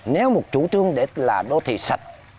nếu một chủ trương đó là đô thị sạch